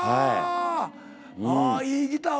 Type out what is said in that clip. ああいいギターを。